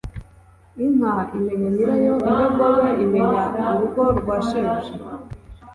Inka imenya nyirayo, n’indogobe imenya urugo rwa shebuja